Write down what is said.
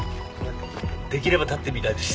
できれば立ってみたいです。